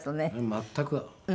全く。